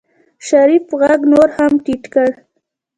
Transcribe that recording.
شريف غږ نور هم ټيټ کړ.